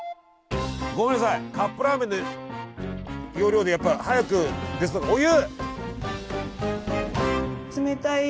ごめんなさいカップラーメンの要領でやっぱり早くお湯！